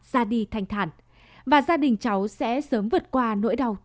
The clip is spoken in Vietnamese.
hy vọng bé a ra đi thanh thản và gia đình cháu sẽ sớm vượt qua nỗi đau thấu trời này